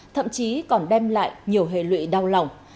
thậm chí còn đem lại nhiều hệ lụy đau lòng